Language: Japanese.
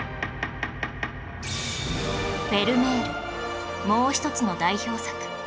フェルメールもう１つの代表作